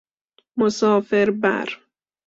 مسافر بر